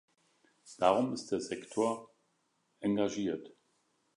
Darum ist der Sektor engagiert.